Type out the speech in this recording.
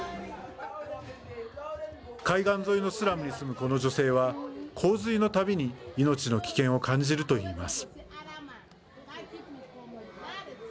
海岸沿いのスラムに住むこの女性は洪水のたびに命の危険を感じると言います。